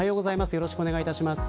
よろしくお願いします。